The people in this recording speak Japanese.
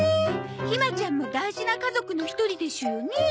ひまちゃんも大事な家族の一人でしゅよね。